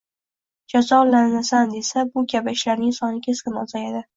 jazolanasan desa, bu kabi ishlarning soni keskin ozayadi.